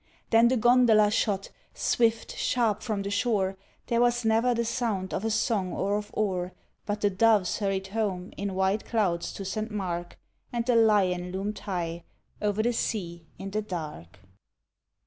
Then the gondola shot! swift, sharp from the shore. There was never the sound of a song or of oar But the doves hurried home in white clouds to Saint Mark, And the lion loomed high o’er the sea in the dark.